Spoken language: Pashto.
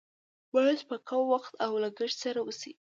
باید په کم وخت او لګښت سره وشي.